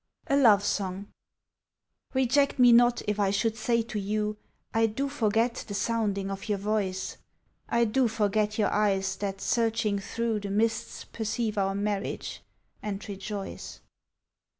A LOVE SONG REJECT me not if I should say to you I do forget the sounding of your voice, I do forget your eyes that searching through The mists perceive our marriage, and rejoice.